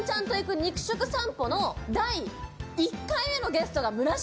肉食さんぽの第１回目のゲストが村重？